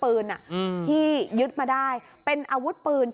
พอหลังจากเกิดเหตุแล้วเจ้าหน้าที่ต้องไปพยายามเกลี้ยกล่อม